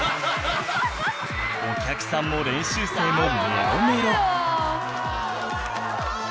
お客さんも練習生もメロメロ